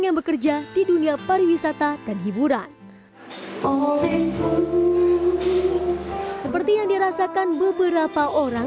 yang bekerja di dunia pariwisata dan hiburan oleh seperti yang dirasakan beberapa orang